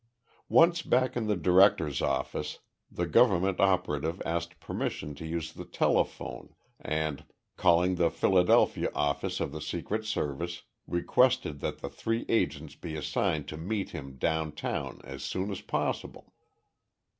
Once back in the director's office, the government operative asked permission to use the telephone, and, calling the Philadelphia office of the Secret Service, requested that three agents be assigned to meet him down town as soon as possible.